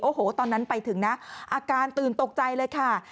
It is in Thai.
โอ้โหตอนนั้นไปถึงนะอาการตื่นตกใจเลยค่ะ